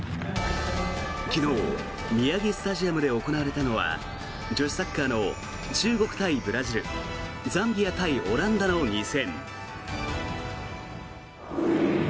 昨日、宮城スタジアムで行われたのは女子サッカーの中国対ブラジルザンビア対オランダの２戦。